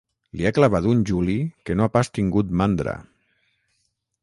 Li ha clavat un juli que no ha pas tingut mandra.